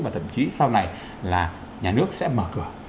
và thậm chí sau này là nhà nước sẽ mở cửa